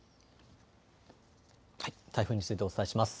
台風についてお伝えします。